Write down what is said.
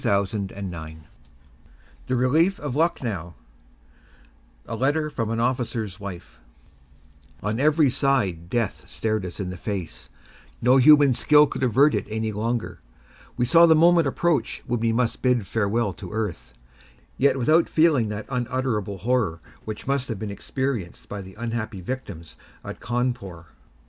The cows are in the corn! O, where's Polly? RICHARD WATSON GILDER THE RELIEF OF LUCKNOW On every side death stared us in the face; no human skill could avert it any longer. We saw the moment approach when we must bid farewell to earth, yet without feeling that unutterable horror which must have been experienced by the unhappy victims at Cawnpore.